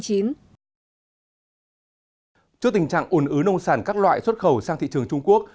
trước tình trạng ồn ứ nông sản các loại xuất khẩu sang thị trường trung quốc